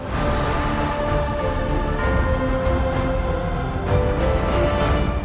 xin chào tạm biệt